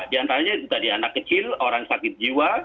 di antaranya itu tadi anak kecil orang sakit jiwa